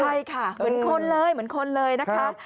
ใช่ค่ะเหมือนคนเลยนะคะ